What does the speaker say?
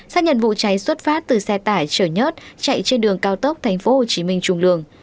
xác nhận vụ cháy xuất phát từ xe tải chở nhớt chạy trên đường cao tốc tp hcm trùng đường